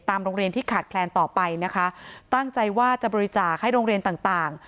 โรงเรียนที่ขาดแคลนต่อไปนะคะตั้งใจว่าจะบริจาคให้โรงเรียนต่างต่าง